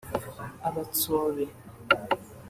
abatsobe